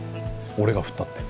俺が振ったって。